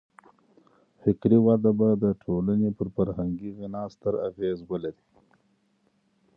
فکري وده به د ټولني پر فرهنګي غنا ستر اغېز ولري.